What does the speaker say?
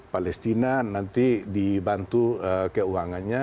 palestina nanti dibantu keuangannya